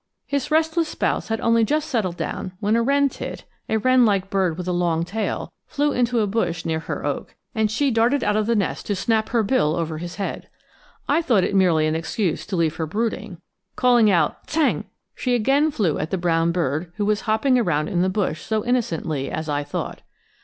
His restless spouse had only just settled down when a wren tit a wren like bird with a long tail flew into a bush near her oak, and she darted out of the nest to snap her bill over his head. I thought it merely an excuse to leave her brooding. Calling out "tsang," she again flew at the brown bird who was hopping around in the bush, so innocently, as I thought.